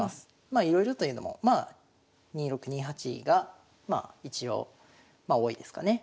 まあいろいろというのもまあ２六２八がまあ一応多いですかね。